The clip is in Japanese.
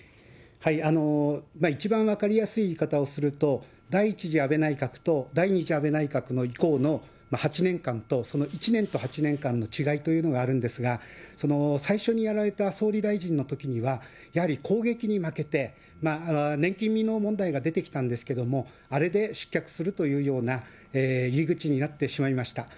一番分かりやすい言い方をすると、第１次安倍内閣と第２次安倍内閣以降の８年間と、その１年と８年の違いというのがあるんですが、最初にやられた総理大臣のときには、やはり攻撃に負けて、年金未納問題が出てきたんですけれども、あれで失脚するというような入り口になってしまいました。